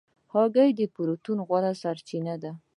هګۍ د پروټین غوره سرچینه ده.